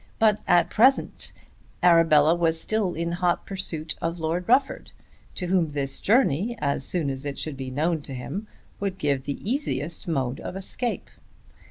But, at the present moment, Arabella was still hot in pursuit of Lord Rufford; to whom this journey, as soon as it should be known to him, would give the easiest mode of escape!